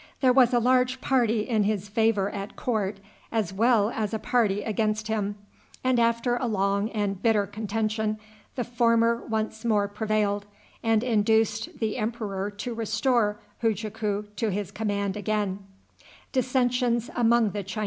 There was a large party in his favor at court, as well as a party against him; and after a long and bitter contention, the former once more prevailed, and induced the emperor to restore Hujaku to his command again.